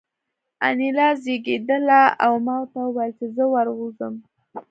انیلا رېږېدله او ما ورته وویل چې زه ور ووځم